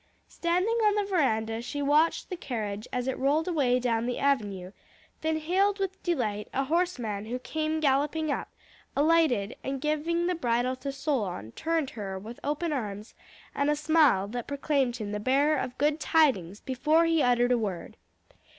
Standing on the veranda, she watched the carriage as it rolled away down the avenue, then hailed with delight a horseman who came galloping up, alighted and giving the bridle to Solon, turned to her with open arms, and a smile that proclaimed him the bearer of good tidings, before he uttered a word.